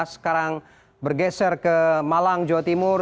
sekarang bergeser ke malang jawa timur